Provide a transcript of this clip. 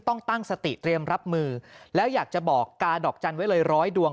ต้องตั้งสติเตรียมรับมือแล้วอยากจะบอกกาดอกจันทร์ไว้เลยร้อยดวง